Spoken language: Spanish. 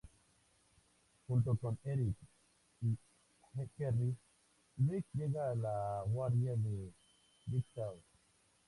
Junto con Eric y Kerry, Rigg llega a la guarida de Jigsaw.